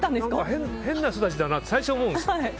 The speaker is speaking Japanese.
変な人たちだなって最初は思うんです。